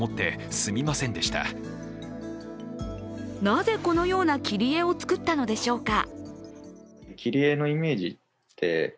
なぜ、このような切り絵を作ったのでしょうか。